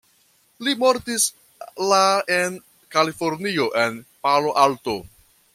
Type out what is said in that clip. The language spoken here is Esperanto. Li mortis la en Kalifornio en Palo Alto.